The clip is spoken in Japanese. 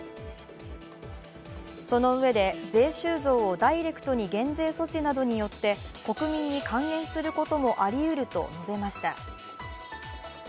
そのうえで税収増をダイレクトに減税措置などによって国民に還元することもありうると述べました。